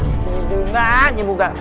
tunggu dengannya muka